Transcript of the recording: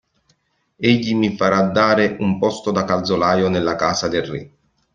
Egli mi farà dare un posto da calzolaio nella casa del re.